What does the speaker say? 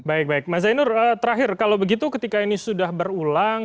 baik baik mas zainur terakhir kalau begitu ketika ini sudah berulang